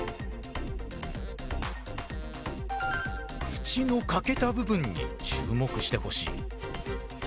縁の欠けた部分に注目してほしい。